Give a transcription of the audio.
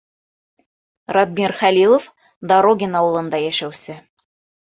Радмир ХӘЛИЛОВ, Дорогин ауылында йәшәүсе: